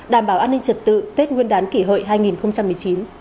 đảm bảo an ninh trật tự tết nguyên đán kỷ hợi hai nghìn một mươi chín